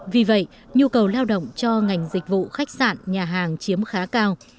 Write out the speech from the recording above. vì vậy nhu cầu lao động cho ngành dịch vụ khách sạn nhà hàng chiếm khá cao